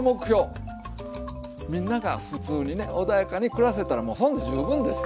みんながふつうにね穏やかに暮らせたらもうそれで十分ですよ！